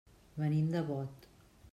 Venim de Bot.